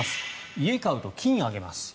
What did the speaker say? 家を買うと金を上げます。